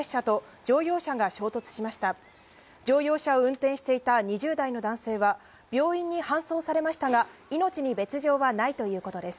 乗用車を運転していた２０代の男性は病院に搬送されましたが、命に別条はないということです。